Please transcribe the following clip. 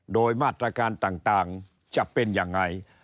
โดยมาตรการต่างจะเป็นยังไง